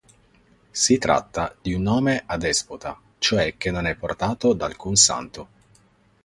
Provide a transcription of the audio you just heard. Si tratta di un nome adespota, cioè che non è portato da alcun santo.